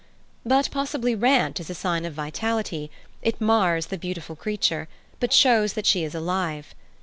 But possibly rant is a sign of vitality: it mars the beautiful creature, but shows that she is alive.